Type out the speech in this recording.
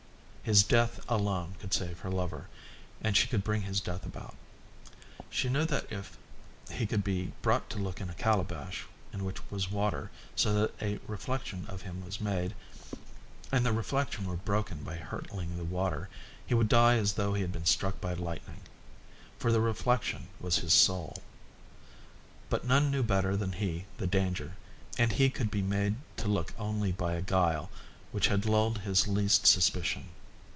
His death alone could save her lover, and she could bring his death about. She knew that if he could be brought to look into a calabash in which was water so that a reflection of him was made, and the reflection were broken by hurtling the water, he would die as though he had been struck by lightning; for the reflection was his soul. But none knew better than he the danger, and he could be made to look only by a guile which had lulled his least suspicion.